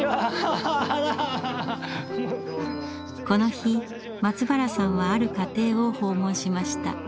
この日松原さんはある家庭を訪問しました。